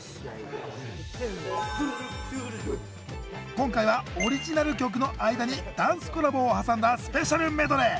今回はオリジナル曲の間にダンスコラボを挟んだスペシャルメドレー！